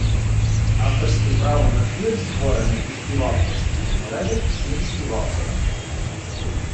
Авторське право на твір, створений у співавторстві, належить всім співавторам